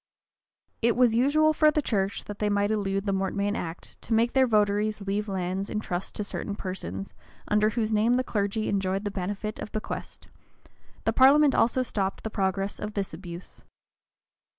[] It was usual for the church, that they might elude the mortmain act, to make their votaries leave lands in trust to certain persons, under whose name the clergy enjoyed the benefit of the bequest: the parliament also stopped the progress of this abuse.